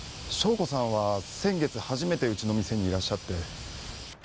笙子さんは先月初めてうちの店にいらっしゃって。